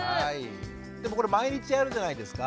でもこれ毎日やるじゃないですか。